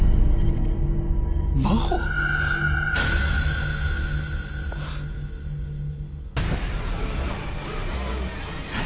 真帆⁉えっ。